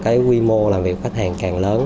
cái quy mô làm việc khách hàng càng lớn